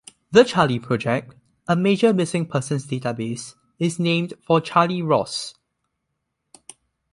The Charley Project, a major missing persons database, is named for Charley Ross.